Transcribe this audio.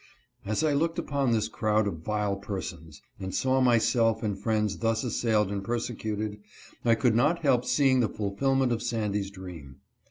As I looked upon this crowd of vile persons, and saw myself and friends thus assailed and persecuted, I could not help seeing the fulfillment of Sandy's dream.